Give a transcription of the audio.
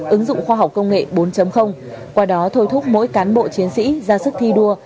ứng dụng khoa học công nghệ bốn qua đó thôi thúc mỗi cán bộ chiến sĩ ra sức thi đua